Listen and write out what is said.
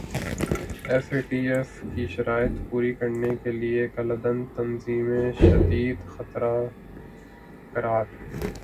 F A T F کی شرائط پوری کرنے کیلئے کالعدم تنظیمیںشدید خطرہ قرار